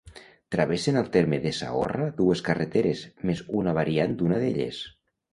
Travessen al terme de Saorra dues carreteres, més una variant d'una d'elles.